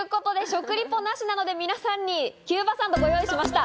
食リポなしなので、皆さんにキューバサンドをご用意しました。